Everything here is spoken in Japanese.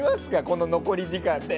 この残り時間で。